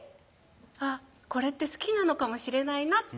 あっこれって好きなのかもしれない